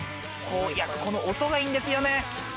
この音がいいんですよね。